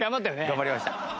頑張りました。